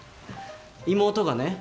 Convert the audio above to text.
妹がね